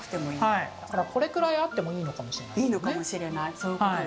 はい、だからこれくらいあってもいいのかもしれないですね。